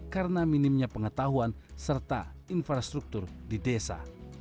karena minimnya pengetahuan serta infrastruktur di desa